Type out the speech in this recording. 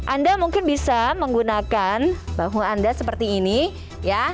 anda mungkin bisa menggunakan bahu anda seperti ini ya